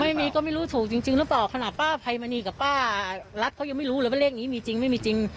ไม่มีก็ไม่รู้ถูกจริงหรือเปล่าขนาดป้าภัยมณีกับป้ารัฐเขายังไม่รู้เลยว่าเลขนี้มีจริงไม่มีจริง